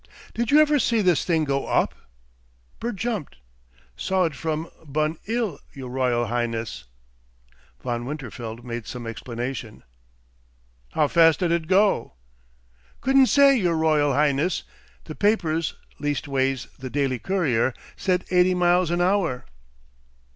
"Did you ever see this thing go op?" Bert jumped. "Saw it from Bun 'Ill, your Royal Highness." Von Winterfeld made some explanation. "How fast did it go?" "Couldn't say, your Royal Highness. The papers, leastways the Daily Courier, said eighty miles an hour."